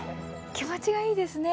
気持ちがいいですね。